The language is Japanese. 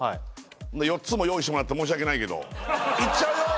４つも用意してもらって申し訳ないけどいっちゃうよ？